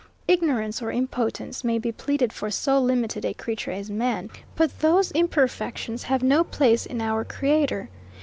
Ignorance or impotence may be pleaded for so limited a creature as man; but those imperfections have no place in our Creator.